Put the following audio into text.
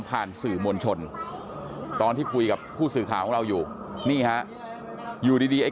สื่อมวลชนตอนที่คุยกับผู้สื่อข่าวของเราอยู่นี่ฮะอยู่ดีดีไอ้